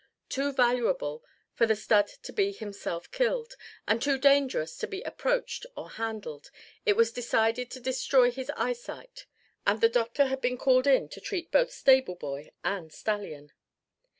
Too valuable for the stud to be himself killed, and too dangerous to be approached or handled, it was decided to destroy his eyesight; and the doctor had been called in to treat both stable boy and stallion.